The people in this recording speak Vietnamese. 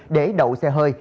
để đậu xe hơi